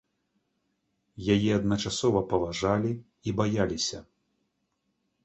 Яе адначасова паважалі і баяліся.